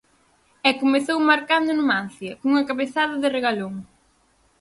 E comezou marcando o Numancia, cunha cabezada de Regalón.